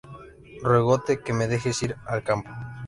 Ruégote que me dejes ir al campo.